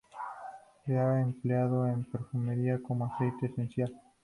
Se ha empleado en perfumería como aceite esencial.